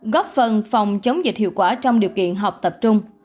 góp phần phòng chống dịch hiệu quả trong điều kiện học tập trung